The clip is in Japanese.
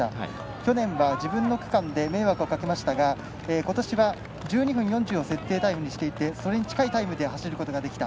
去年は自分の区間で迷惑をかけましたがことしは、１２分４０を設定タイムにしていてそれに近いタイムで走ることができた。